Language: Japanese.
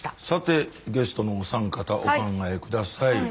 さてゲストのお三方お考え下さい。